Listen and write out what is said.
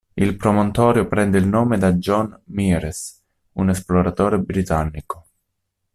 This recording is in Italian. Il promontorio prende il nome da John Meares, un esploratore britannico.